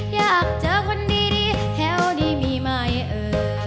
อยากเจอคนดีแถวนี้มีไหมเออ